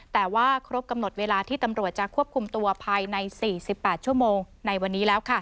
แต่ว่าครบกำหนดเวลาที่ตำรวจจะควบคุมตัวภายใน๔๘ชั่วโมงในวันนี้แล้ว